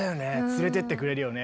連れてってくれるよね。